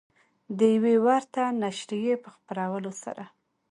د یوې ورته نشریې په خپرولو سره